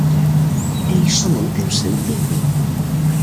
E iso non ten sentido.